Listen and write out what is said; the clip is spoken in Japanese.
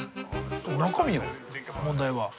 中身よ問題は。